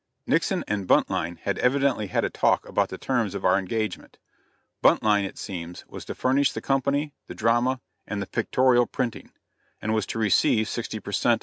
Nixon and Buntline had evidently had a talk about the terms of our engagement. Buntline, it seems, was to furnish the company, the drama, and the pictorial printing, and was to receive sixty per cent.